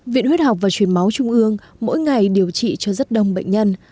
viện huyết học và truyền máu trung ương mỗi ngày điều trị cho rất đông bệnh nhân